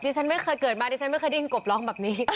ฉันไม่เคยเกิดมาดิฉันไม่เคยได้ยินกบร้องแบบนี้